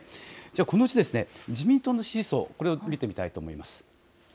このうち、自民党の支持層、これを見ていきたいと思います。